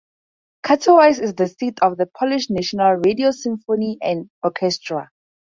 Katowice is the seat of the Polish National Radio Symphony and Orchestra.